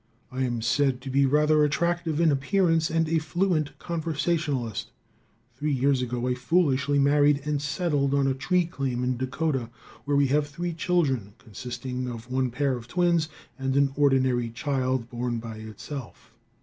I am said to be rather attractive in appearance and a fluent conversationalist. Three years ago I very foolishly married and settled on a tree claim in Dakota, where we have three children, consisting of one pair of twins and an ordinary child, born by itself.